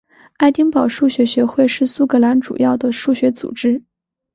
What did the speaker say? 爱丁堡数学学会是苏格兰主要的数学组织。